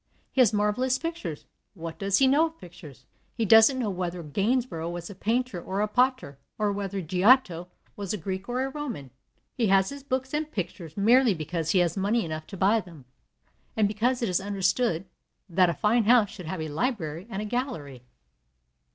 He has marvellous pictures. What does he know of pictures? He doesn't know whether Gainsborough was a painter or a potter, or whether Giotto was a Greek or a Roman. He has books and pictures merely because he has money enough to buy them, and because it is understood that a fine house should have a library and a gallery.